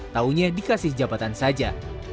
tahunya dikasih jabatan saja